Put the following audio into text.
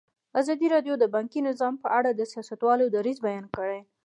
ازادي راډیو د بانکي نظام په اړه د سیاستوالو دریځ بیان کړی.